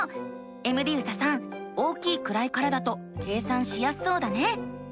エムディユサさん大きい位からだと計算しやすそうだね。